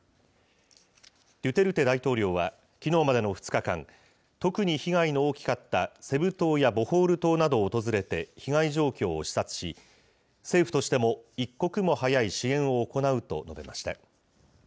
ドゥテルテ大統領はきのうまでの２日間、特に被害の大きかったセブ島やボホール島などを訪れて被害状況を視察し、政府としても一刻も早い支援を行うと述べました。